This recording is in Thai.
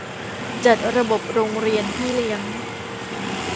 จัดระบบโรงเรียนพี่เลี้ยง